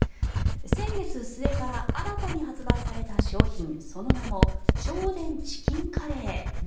先月末から新たに発売された商品その名も銚電チキンカレー。